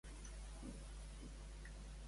Ser tingut de.